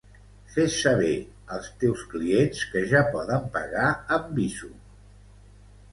Fes saber als teus clients que ja poden pagar amb Bizum